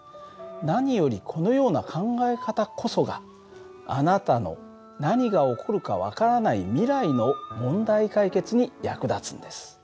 何よりこのような考え方こそがあなたの何が起こるか分からない未来の問題解決に役立つんです。